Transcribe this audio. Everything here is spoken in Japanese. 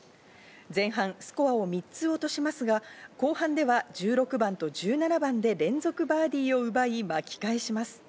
前半、スコアを３つ落としますが、後半では１６番と１７番で連続バーディーを奪い巻き返します。